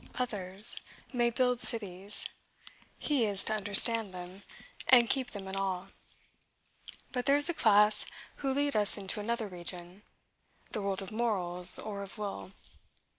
Others may build cities; he is to understand them, and keep them in awe. But there is a class who lead us into another region, the world of morals, or of will.